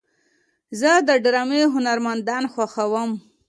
زه د ډرامې هنرمندان خوښوم.